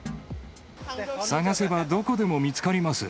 探せばどこでも見つかります。